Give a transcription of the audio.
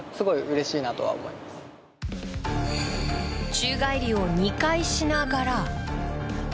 宙返りを２回しながら。